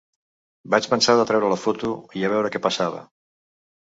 Vaig pensar de treure la foto, i a veure què passava.